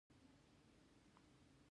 د کوچیانو چارو ریاست کوچیانو ته څه کوي؟